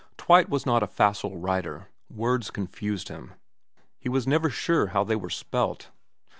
Twite was not a facile writer. Words confused him. He was 288 VERA XXVI never sure how they were spelt.